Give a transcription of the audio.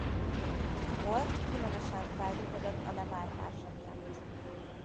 Polk különösen feldühödött a leváltása miatt.